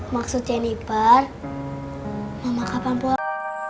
maksud jeniper mama kapan pulang